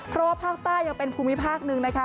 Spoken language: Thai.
เพราะว่าภาคใต้ยังเป็นภูมิภาคหนึ่งนะคะ